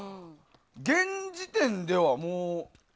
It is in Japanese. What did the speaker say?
現時点ではもう。